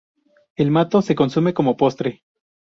El mató se consume como postre.